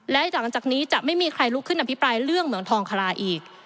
และหลังจากนี้จะไม่มีใครลุกขึ้นอภิปรายเรื่องเหมืองทองคลาอีก